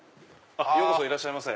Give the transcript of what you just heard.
ようこそいらっしゃいませ。